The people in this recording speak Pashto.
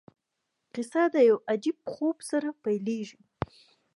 کیسه د یو عجیب خوب سره پیلیږي.